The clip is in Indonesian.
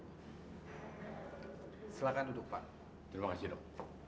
terima kasih dok